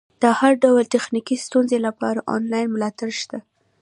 د هر ډول تخنیکي ستونزې لپاره انلاین ملاتړ شته.